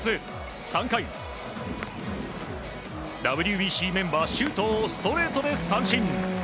３回、ＷＢＣメンバー周東をストレートで三振。